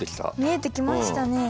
見えてきましたね！